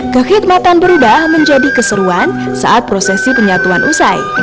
kekhidmatan berubah menjadi keseruan saat prosesi penyatuan usai